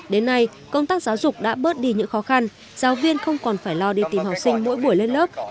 đến nay công tác giáo dục đã bớt đi những khó khăn giáo viên không còn phải lo đi tìm học sinh mỗi buổi lên lớp